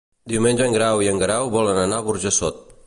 Diumenge en Grau i en Guerau volen anar a Burjassot.